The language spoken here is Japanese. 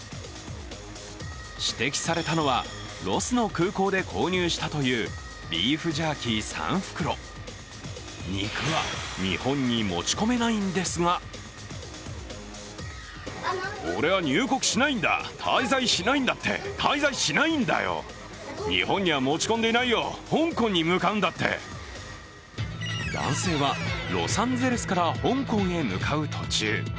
指摘されたのは、ロスの空港で購入したというビーフジャーキー３袋、肉は日本に持ち込めないんですが男性はロサンゼルスから香港へ向かう途中。